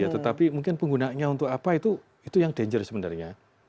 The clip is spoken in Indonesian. tetapi mungkin penggunanya untuk apa itu yang danger sebenarnya